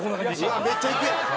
うわっめっちゃいくやん。